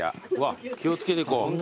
気を付けて行こう。